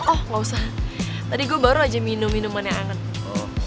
oh gak usah tadi gue baru aja minum minuman yang anget gitu